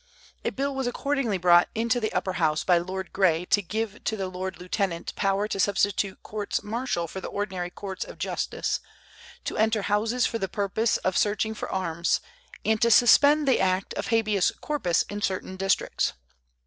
A bill was accordingly brought into the Upper House by Lord Grey to give to the lord lieutenant power to substitute courts martial for the ordinary courts of justice, to enter houses for the purpose of searching for arms, and to suspend the act of habeas corpus in certain districts.